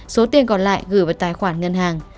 số tiền còn lại gửi vào tài khoản ngân hàng